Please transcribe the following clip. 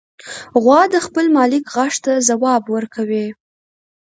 غوا د خپل مالک غږ ته ځواب ورکوي.